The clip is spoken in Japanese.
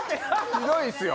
ひどいっすよ！